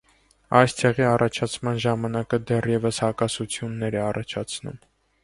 Այս ցեղի առաջացման ժամանակը դեռևս հակասություններ է առաջացնում։